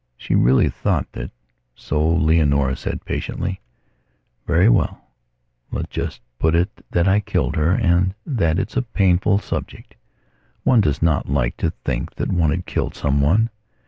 She really thought that.... So Leonora said patiently: "Very well, just put it that I killed her and that it's a painful subject. One does not like to think that one had killed someone.